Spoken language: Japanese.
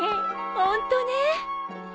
ホントね。